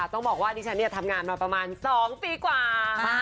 ต้องบอกว่าดิฉันทำงานมาประมาณ๒ปีกว่า